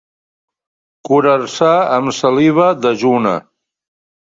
Curar-se amb saliva dejuna.